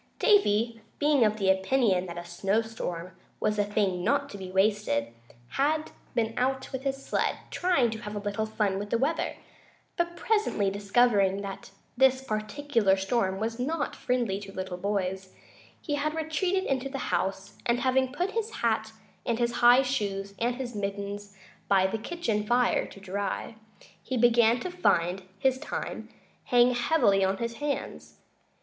Davy, being of the opinion that a snow storm was a thing not to be wasted, had been out with his sled, trying to have a little fun with the weather; but presently, discovering that this particular storm was not friendly to little boys, he had retreated into the house, and having put his hat and his high shoes and his mittens by the kitchen fire to dry, he began to find his time hang heavily on his hands.